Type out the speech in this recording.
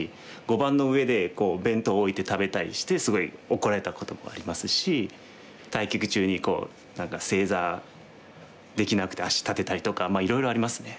碁盤の上で弁当置いて食べたりしてすごい怒られたこともありますし対局中に何か正座できなくて足立てたりとかいろいろありますね。